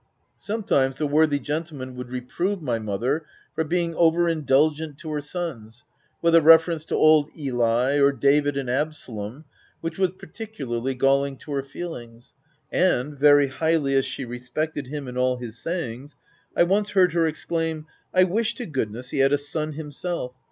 Sometimes, the worthy gentleman would OF WILDFELL HALL. 25 reprove my mother for being over indulgent to her sons, with a reference to old Eli, or David and Absolom, which was particularly galling to her feelings ; and, very highly as she re spected him, and all his sayings, I once heard her exclaim, " I wish to goodness he had a son himself!